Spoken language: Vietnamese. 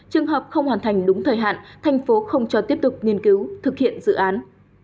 trường hợp không hoàn thành đúng thời hạn thành phố không cho tiếp tục nghiên cứu thực hiện dự án